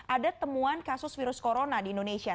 ada temuan kasus virus corona di indonesia